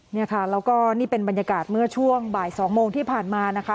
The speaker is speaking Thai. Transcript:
เนี่ยค่ะแล้วก็นี่เป็นบรรยากาศเมื่อช่วงบ่าย๒โมงที่ผ่านมานะคะ